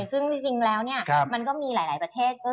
ซึ่งจริงแล้วมันก็มีหลายประเทศ